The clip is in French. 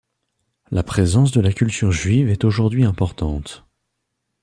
La présence de la culture juive est aujourd'hui importante.